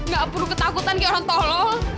gak perlu ketakutan kayak orang tolong